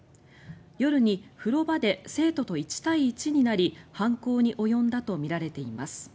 夜に風呂場で生徒と１対１になり犯行に及んだとみられています。